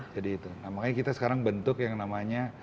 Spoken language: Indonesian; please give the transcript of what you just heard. jadi itu makanya kita sekarang bentuk yang namanya